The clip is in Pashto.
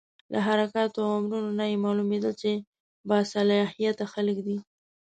له حرکاتو او امرونو نه یې معلومېدل چې با صلاحیته خلک دي.